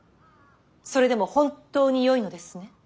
それでも本当によいのですね。